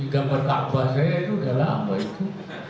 gambar kabah saya itu udah lama itu